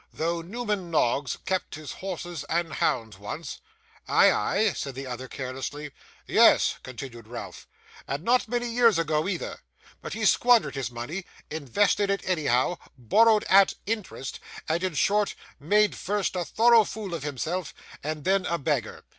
'Though Newman Noggs kept his horses and hounds once.' 'Ay, ay?' said the other carelessly. 'Yes,' continued Ralph, 'and not many years ago either; but he squandered his money, invested it anyhow, borrowed at interest, and in short made first a thorough fool of himself, and then a beggar.